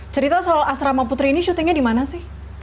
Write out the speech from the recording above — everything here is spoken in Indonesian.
cerita soal asrama putri ini shootingnya dimana sih